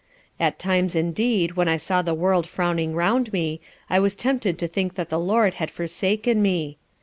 At times indeed when I saw the world frowning round me, I was tempted to think that the LORD had forsaken me.